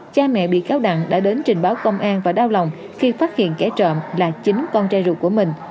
cha mẹ bị cáo đặng đã đến trình báo công an và đau lòng khi phát hiện kẻ trộm là chính con trai ruột của mình